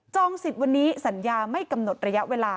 สิทธิ์วันนี้สัญญาไม่กำหนดระยะเวลา